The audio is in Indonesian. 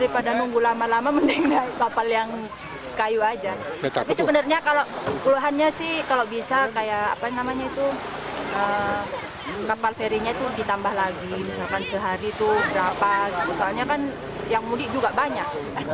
pemudik juga banyak